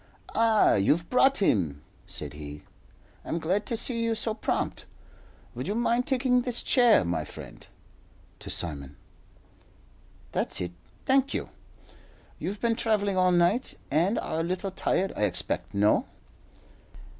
"Ah! you've brought him?" said he. "I'm glad to see you so prompt. Would you mind taking this chair, my friend?" to Simon. "That's it, thank you. You've been travelling all night and are a little tired, I expect. No?